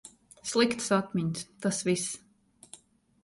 Sliktas atmiņas, tas viss.